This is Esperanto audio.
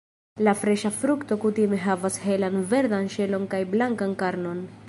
La freŝa frukto kutime havas helan verdan ŝelon kaj blankan karnon.